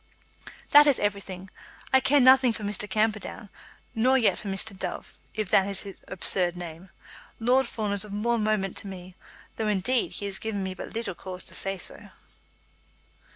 "That is everything. I care nothing for Mr. Camperdown; nor yet for Mr. Dove, if that is his absurd name. Lord Fawn is of more moment to me, though, indeed, he has given me but little cause to say so."